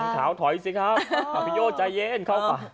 ขาวถอยสิครับอภิโยใจเย็นเข้าป่า